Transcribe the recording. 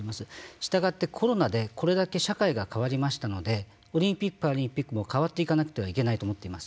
したがって、コロナでこれだけ社会が変わりましたのでオリンピック・パラリンピックも変わっていかなくてはいけないと思っています。